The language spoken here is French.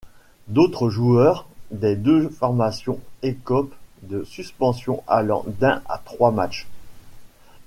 D'autres joueurs des deux formations écopent de suspensions allant d'un à trois matchs.